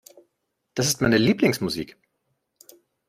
Das ist meine Lieblingsmusik.